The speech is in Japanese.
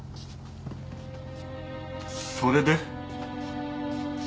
それで？